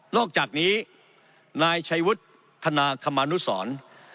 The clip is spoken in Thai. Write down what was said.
อกจากนี้นายชัยวุฒิธนาคมานุสร